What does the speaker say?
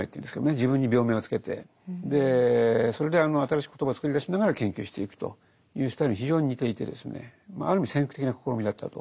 自分に病名を付けてそれで新しい言葉をつくり出しながら研究していくというスタイルに非常に似ていてですねある意味先駆的な試みだったと。